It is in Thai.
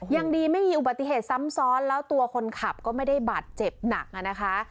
ยังดีไม่มีอุบัติเหตุซ้ำซ้อนแล้วตัวคนขับก็ไม่ได้บาดเจ็บหนักนะคะ